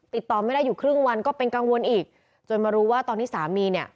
ติดต่อไม่ได้อยู่ครึ่งวันก็เป็นกังวลอีกจนมารู้ว่าตอนนี้สามีเนี่ย